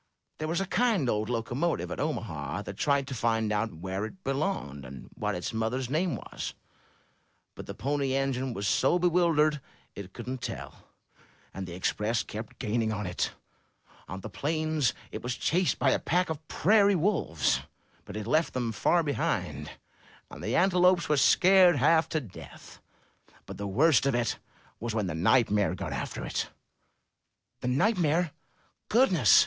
There was a kind old locomotive at Omaha that tried to find out where it belonged, and what its mother's name was, but the Pony Engine was so bewildered it couldn't tell. And the Express kept gaining on it. On the plains it was 348 UP ONE PAIR OF STAIRS chased by a pack of prairie wolves, but it left them far behind; and the antelopes were scared half to death. But the worst of it was when the nightmare got after it/' *The nightmare? Goodness!''